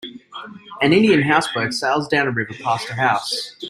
An Indian houseboat sails down a river past a house.